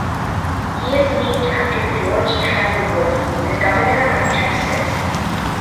He is named after George Tyler Wood, governor of Texas.